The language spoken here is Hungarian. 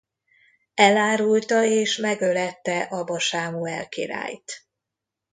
Elárulta és megölette Aba Sámuel királyt.